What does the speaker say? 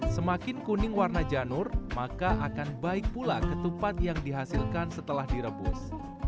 semakin kuning warna janur maka akan baik pula ketupat yang dihasilkan setelah direbus